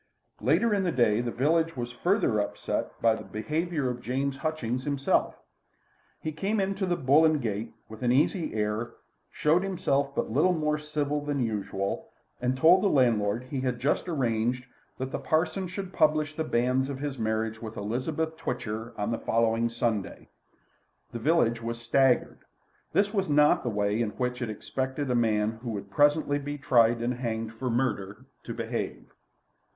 Later in the day the village was further upset by the behaviour of James Hutchings himself. He came into the "Bull and Gate" with an easy air, showed himself but little more civil than usual, and told the landlord that he had just arranged that the parson should publish the banns of his marriage with Elizabeth Twitcher on the following Sunday. The village was staggered. This was not the way in which it expected a man who would presently be tried and hanged for murder to behave.